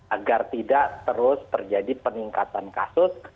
agar tidak terus terjadi peningkatan kasus